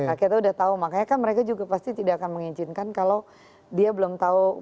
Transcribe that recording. nah kita udah tahu makanya kan mereka juga pasti tidak akan mengizinkan kalau dia belum tahu